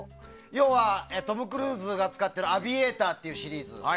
要はトム・クルーズが使ってるアビエーターっていうシリーズ。